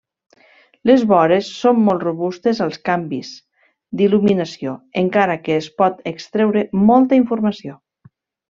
Les vores són molt robustes als canvis d'il·luminació, encara que es pot extreure molta informació.